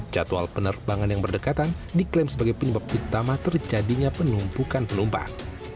jadwal penerbangan yang berdekatan diklaim sebagai penyebab utama terjadinya penumpukan penumpang